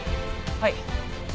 はい。